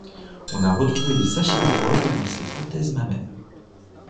On a retrouvé des sachets de drogue dans ses prothèses mammaires.